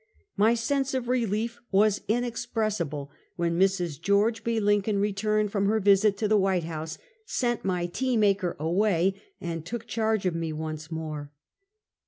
My sense of relief was inexpressible when Mrs. George B. Lincoln returned from her visit to the White House, sent my tea maker away and took charge of me once more.